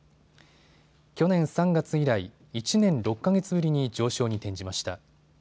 去年３月以来、１年６か月ぶりに上昇に転じました。